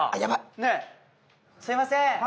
すいません。